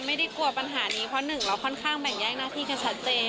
ไม่ได้กลัวปัญหานี้เพราะหนึ่งเราค่อนข้างแบ่งแยกหน้าที่กันชัดเจน